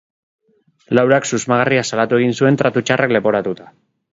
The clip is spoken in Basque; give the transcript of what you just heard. Laurak susmagarria salatu egin zuen tratu txarrak leporatuta.